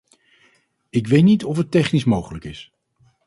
Ik weet niet of het technisch mogelijk is.